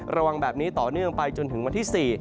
ระวังแบบนี้ต่อเนื่องไปจนถึงวันที่๔